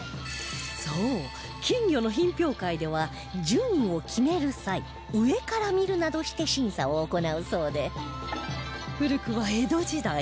そう金魚の品評会では順位を決める際上から見るなどして審査を行うそうで古くは江戸時代